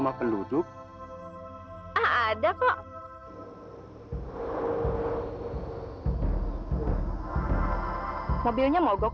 mobil juga gak ada